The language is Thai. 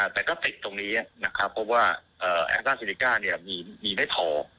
แต่ก็ติดตรงนี้นะครับกรอบว่าแอสตาร์ซีนิก้าเนี่ยมีไม่พอ